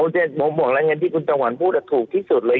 ผมบอกแล้วอย่างนั้นที่คุณจังหวันพูดอะถูกที่สุดเลย